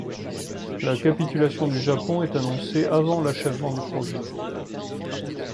La capitulation du Japon est annoncé avant l'achèvement du projet.